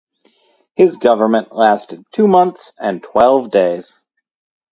His government lasted two months and twelve days.